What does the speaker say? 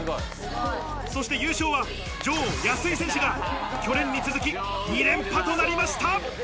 そして優勝は女王・安井選手が去年に続き２連覇となりました。